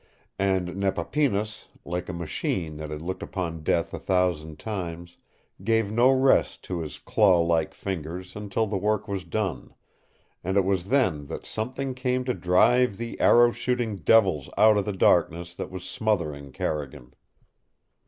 And Nepapinas, like a machine that had looked upon death a thousand times, gave no rest to his claw like fingers until the work was done and it was then that something came to drive the arrow shooting devils out of the darkness that was smothering Carrigan.